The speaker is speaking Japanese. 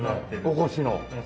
おこしの。